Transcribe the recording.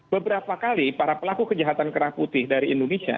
beberapa kali para pelaku kejahatan kerah putih dari indonesia